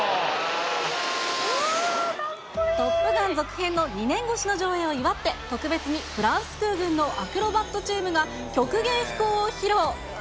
トップガン続編の２年越しの上映を祝って、特別にフランス空軍のアクロバットチームが曲芸飛行を披露。